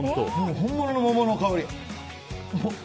本物の桃の香り。